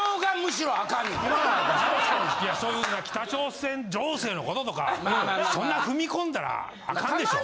いやそういう北朝鮮情勢の事とかそんな踏み込んだらアカンでしょ。